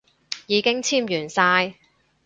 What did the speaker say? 已經簽完晒